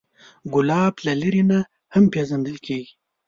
ګلاب له لرې نه هم پیژندل کېږي.